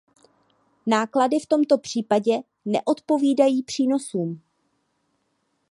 Náklady v tomto případě neodpovídají přínosům.